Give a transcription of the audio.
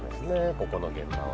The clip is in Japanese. ここの現場は。